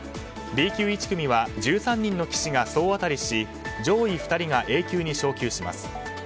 Ｂ級１組は１３人の棋士が総当たりし上位２人がＡ級に昇級します。